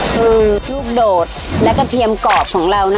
คือลูกโดดและกระเทียมกรอบของเรา